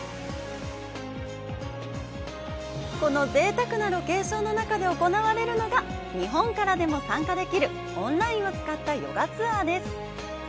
このぜいたくなロケーションの中で行われるのが、日本からでも参加できるオンラインを使ったヨガツアーです。